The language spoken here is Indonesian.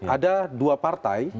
ada dua partai